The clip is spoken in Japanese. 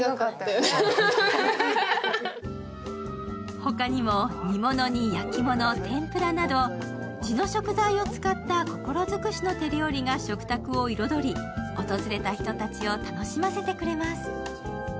他にも、煮物に焼き物、天ぷらなど地の食材を使った心尽くしの手料理が食卓を彩り訪れた人たちを楽しませてくれます。